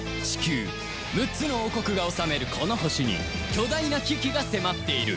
６つの王国が治めるこの星に巨大な危機が迫っている